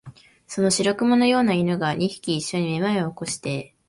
その白熊のような犬が、二匹いっしょにめまいを起こして、